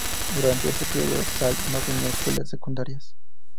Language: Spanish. Durante este período Salt no tenía escuelas secundarias.